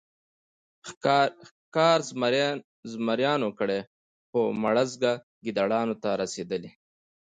ښکار زمریانو کړی خو مړزکه ګیدړانو ته رسېدلې.